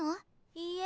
いいえ。